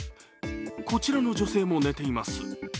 こちらの女性も寝ています。